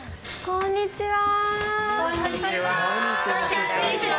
こんにちは。